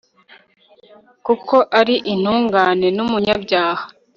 kuko ari intungane n'umunyabyaha